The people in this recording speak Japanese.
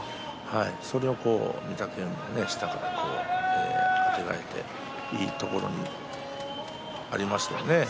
それを御嶽海が下からあてがっていいところにあてましたよね。